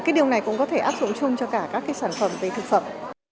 cái điều này cũng có thể áp dụng chung cho cả các sản phẩm về thực phẩm